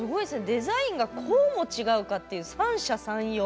デザインがこうも違うかっていう三者三様。